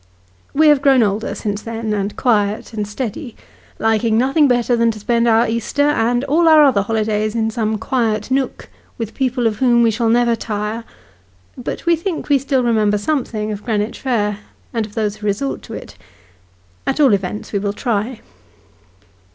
We have grown older since then, and quiet, and steady : liking nothing better than to spend our Easter, and all our other holidays, in some quiet nook, with people of whom we shall never tire ; but we think we still remember something of Greenwich Fair, and of those who resort to it. At all events wo will try.